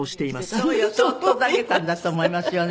そーっと投げたんだと思いますよね